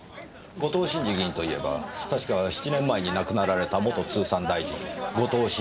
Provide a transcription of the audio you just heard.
後藤新次議員といえば確か７年前に亡くなられた元通産大臣後藤真一氏のご子息でしたね。